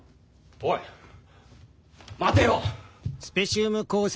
おい待てよ！